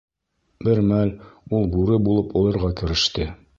Бер мәл ул бүре булып олорға кереште.